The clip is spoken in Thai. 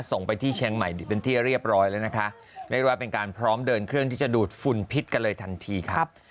ส่งไปที่เชียงใหม่เป็นที่เรียบร้อยแล้วนะคะเรียกว่าเป็นการพร้อมเดินเครื่องที่จะดูดฝุ่นพิษกันเลยทันทีครับ